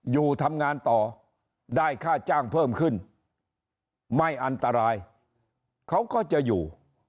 อยู่ทำงานต่อได้ค่าจ้างเพิ่มขึ้นไม่อันตรายเขาก็จะอยู่